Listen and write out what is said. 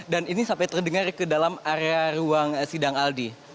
dan ini sampai terdengar ke dalam area ruang sidang aldi